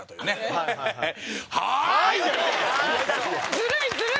ずるいずるい！